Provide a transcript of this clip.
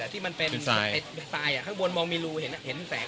ที่มันเป็นทรายข้างบนมองมีรูเห็นแสง